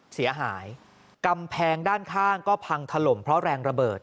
เสียหายกำแพงด้านข้างก็พังถล่มเพราะแรงระเบิด